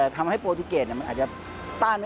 ทำให้โปรตูเกตมันอาจจะต้าน